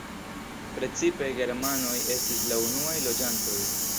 Precipe germanoj estis la unuaj loĝantoj.